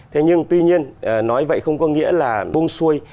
thế nhưng tuy nhiên nói vậy không có nghĩa là buông xuôi